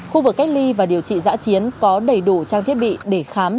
khu vực cách ly và điều trị giã chiến có đầy đủ trang thiết bị để khám